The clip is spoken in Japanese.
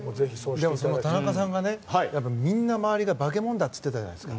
でも、田中さんがみんな、周りが化け物だって言ってたじゃないですか。